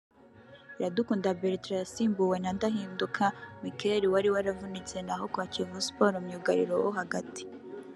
Iradukunda Bertrand yasimbuwe na Ndahinduka Michel wari waravunitse naho kwa Kiyovu Sports myugariro wo hagati